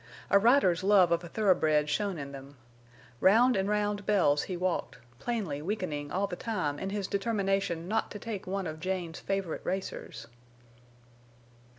A rider's love of a thoroughbred shone in them. Round and round Bells he walked, plainly weakening all the time in his determination not to take one of Jane's favorite racers.